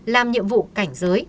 làm nhiệm vụ cảnh giới